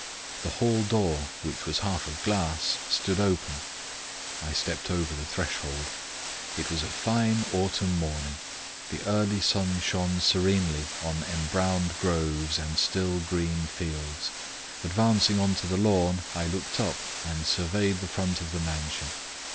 The hall door, which was half of glass, stood open; I stepped over the threshold. It was a fine autumn morning; the early sun shone serenely on embrowned groves and still green fields; advancing on to the lawn, I looked up and surveyed the front of the mansion.